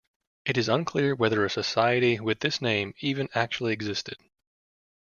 It is unclear whether a society with this name even actually existed.